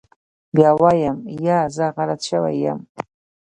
بيا وايم يه زه غلط سوى يم.